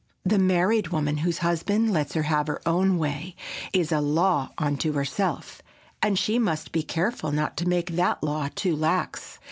The married woman whose husband lets her have her own way is a law unto herself, and she must be careful not to make that law too lax.